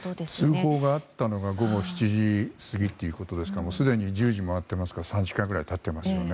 通報があったのが午後７時過ぎということですからすでに１０時を回っていますから３時間くらい経っていますよね。